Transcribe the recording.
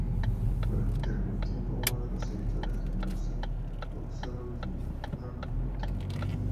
Fue durante algún tiempo uno de los editores de "Magazine of Zoology and Botany".